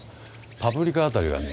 パプリカ辺りがね